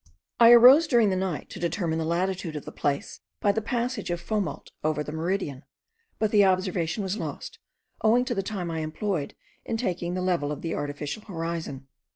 I arose during the night to determine the latitude of the place by the passage of Fomalhaut over the meridian; but the observation was lost, owing to the time I employed in taking the level of the artificial horizon.